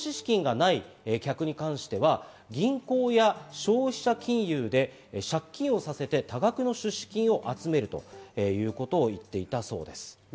さらに投資資金がない客に関しては、銀行や消費者金融で借金をさせて、多額の出資金を集めるということを言っていたそうです。